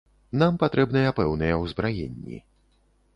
Нам патрэбныя пэўныя ўзбраенні.